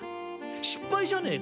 失敗じゃねえか。